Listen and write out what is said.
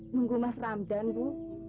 menggumas ramdan bu